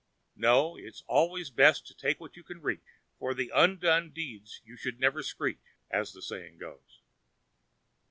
No; it's best always to take what you can reach, for of undone deeds you should never screech, as the saying goes.